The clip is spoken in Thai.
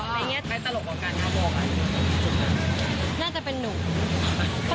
ไงตลกของการข้าวบอกอ่ะ